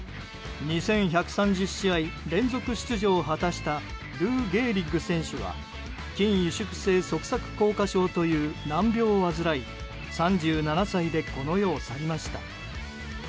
２１３０試合連続出場を果たしたルー・ゲーリック選手は筋萎縮性側索硬化症という難病を患い３７歳でこの世を去りました。